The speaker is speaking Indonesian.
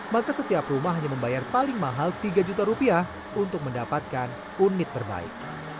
maka setiap rumah hanya membayar paling mahal tiga juta rupiah untuk mendapatkan unit terbaik